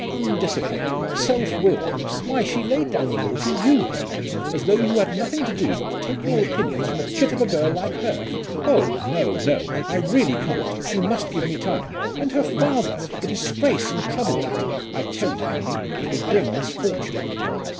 undisciplined! self willed! Why, she laid down the law to you, Henry, as though you had nothing to do but to take your opinions from a chit of a girl like her. Oh! no, no; I really can't; you must give me time. And her father the disgrace and trouble of it! I tell you, Henry, it will bring misfortune!"